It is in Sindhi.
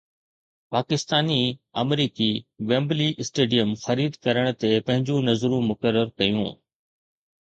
پاڪستاني-آمريڪي ويمبلي اسٽيڊيم خريد ڪرڻ تي پنهنجون نظرون مقرر ڪيون